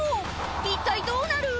一体どうなる？